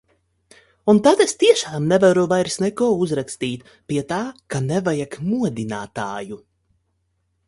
Un tad es tiešām nevaru vairs neko uzrakstīt. Pie tā, ka nevajag modinātāju.